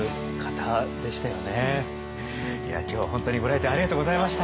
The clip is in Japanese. いや今日は本当にご来店ありがとうございました。